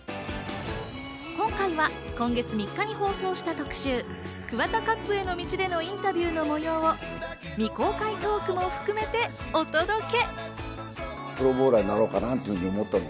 今回は今月３日に放送した特集・ＫＵＷＡＴＡＣＵＰへの道でのインタビューの模様を未公開トークも含めてお届け。